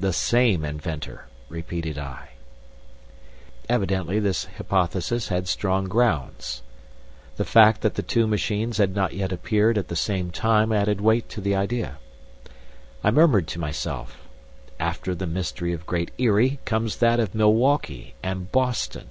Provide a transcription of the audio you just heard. "The same inventor!" repeated I. Evidently this hypothesis had strong grounds. The fact that the two machines had not yet appeared at the same time added weight to the idea. I murmured to myself, "After the mystery of Great Eyrie, comes that of Milwaukee and Boston.